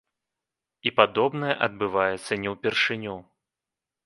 І падобнае адбываецца не ўпершыню.